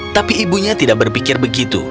tapi ibunya tidak berpikir begitu